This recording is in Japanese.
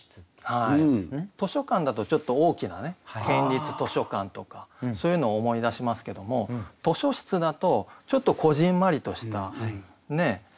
図書館だとちょっと大きなね県立図書館とかそういうのを思い出しますけども図書室だとちょっとこぢんまりとしたね？